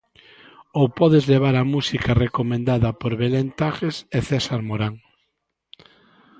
Ou podes levar a música recomendada por Belém Tajes e César Morán.